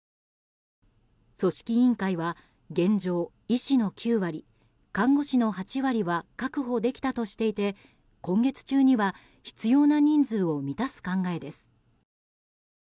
組織委員会は現状、医師の９割看護師の８割は確保できたとしていて今月中には必要な人数を満たす考えです。